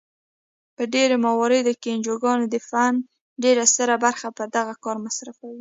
په ډیری مواردو کې انجوګانې د فنډ ډیره ستره برخه پر دغه کار مصرفوي.